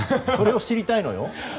それを知りたいのよ。